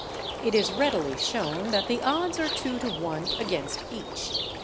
It is readily shown that the odds are 2 to 1 against each.